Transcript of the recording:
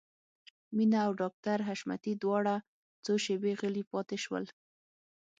مينه او ډاکټر حشمتي دواړه څو شېبې غلي پاتې شول.